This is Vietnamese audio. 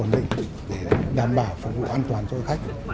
ổn định để đảm bảo phục vụ an toàn cho du khách